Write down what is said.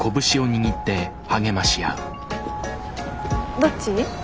どっち？